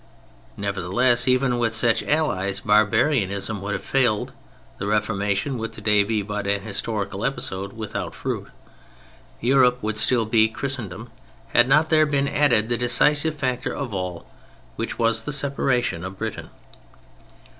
Nevertheless, even with such allies, barbarism would have failed, the Reformation would today be but an historical episode without fruit, Europe would still be Christendom, had not there been added the decisive factor of all—which was the separation of Britain.